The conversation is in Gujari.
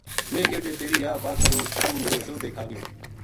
میں کہیو جے تیری یاہ واہ کروں توہ میرو حصو بے کھا گیو